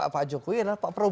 pak jokowi adalah pak prabowo